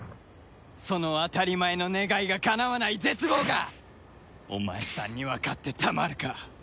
その当たり前の願いがかなわない絶望がお前さんにわかってたまるか！